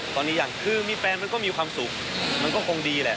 ตอนนี้ยังคือมีแฟนมันก็มีความสุขมันก็คงดีแหละ